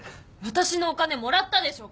私のお金もらったでしょ。